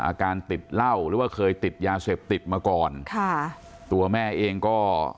อาการติดเหล้าหรือว่าเคยติดยาเสพติดมาก่อนค่ะตัวแม่เองก็